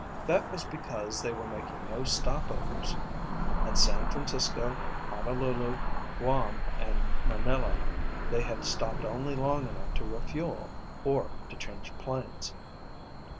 That was because they were making no stop overs. At San Francisco, Honolulu, Guam, and Manila they had stopped only long enough to refuel, or to change planes.